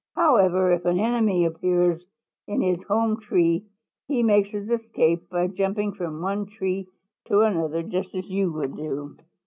"However, if an enemy appears in his home tree, he makes his escape by jumping from one tree to another, just as you would do."